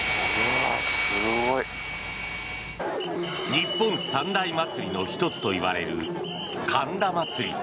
日本三大祭りの１つといわれる神田祭。